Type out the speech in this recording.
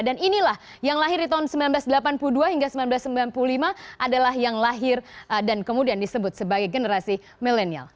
dan inilah yang lahir di tahun seribu sembilan ratus delapan puluh dua hingga seribu sembilan ratus sembilan puluh lima adalah yang lahir dan kemudian disebut sebagai generasi milenial